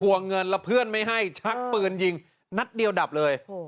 เงินแล้วเพื่อนไม่ให้ชักปืนยิงนัดเดียวดับเลย